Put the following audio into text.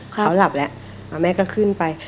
เขาหลับแล้วแม่ก็ขึ้นไป